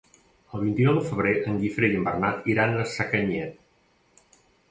El vint-i-nou de febrer en Guifré i en Bernat iran a Sacanyet.